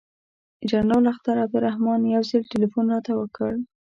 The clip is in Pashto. جنرال اختر عبدالرحمن یو ځل تلیفون راته وکړ.